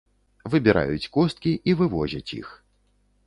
Выбіраюць косткі і вывозяць іх.